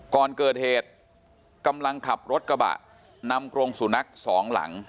ก่อนเกิดเหตุกำลังขับรถกระบะนำกรงสุนัขสองหลัง